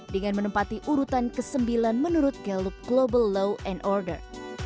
dengan menempati urutan ke sembilan menurut gallup global law and order